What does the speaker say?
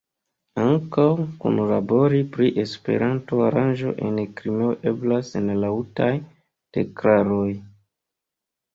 Ankaŭ kunlabori pri Esperanto-aranĝo en Krimeo eblas sen laŭtaj deklaroj.